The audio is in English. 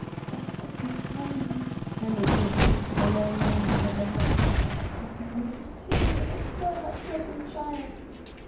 "What has befallen me?" murmured Beatrice, with a low moan out of her heart. "Holy Virgin, pity me, a poor heart broken child!"